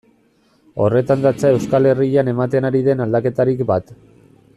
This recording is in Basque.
Horretan datza Euskal Herrian ematen ari den aldaketarik bat.